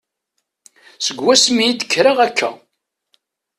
Seg wasmi i d-kkreɣ akka.